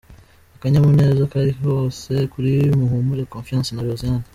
Akanyamuneza kari kose kuri Muhumure Confiance na Josiane .